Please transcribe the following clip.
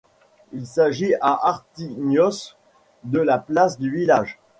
Il s’agit à Artignosc de la place du village.